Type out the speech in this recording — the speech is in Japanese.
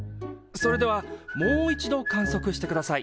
それではもう一度観測してください。